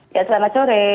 ya selamat sore